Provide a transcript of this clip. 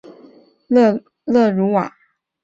普龙勒鲁瓦。